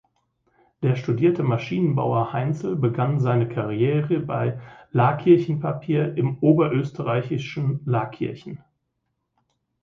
Der studierte Maschinenbauer Heinzel begann seine Karriere bei Laakirchen Papier im oberösterreichischen Laakirchen.